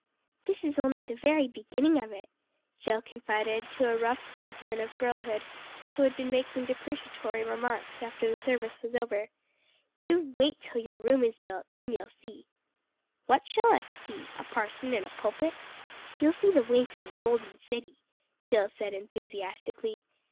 "This is only the very beginning of it," Jill confided to a rough specimen of girlhood, who had been making depreciatory remarks, after the service was over. "You wait till your room is built, then you'll see." "What shall us see? A parson in a pulpit?" "You'll see the way to the Golden City," Jill said enthusiastically.